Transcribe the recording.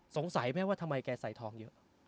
สงสัยไหมว่าทำไมแกใส่ทองเยอะ